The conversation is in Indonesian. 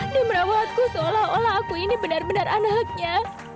merawatku seolah olah aku ini benar benar anaknya